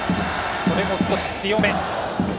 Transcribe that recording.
それも、少し強め。